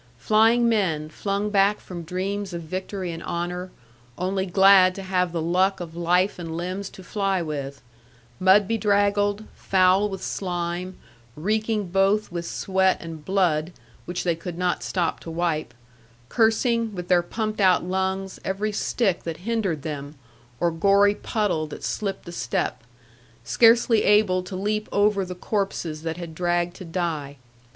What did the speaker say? Flying men, flung back from dreams of victory and honour, only glad to have the luck of life and limbs to fly with, mud bedraggled, foul with slime, reeking both with sweat and blood, which they could not stop to wipe, cursing, with their pumped out lungs, every stick that hindered them, or gory puddle that slipped the step, scarcely able to leap over the corses that had dragged to die.